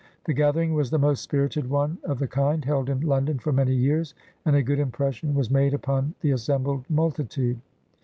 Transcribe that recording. The gath ering was the most spirited one of the kind held in London for many years, and a good impression was made upon the assembled multitude."